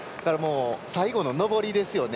最後の上りですよね。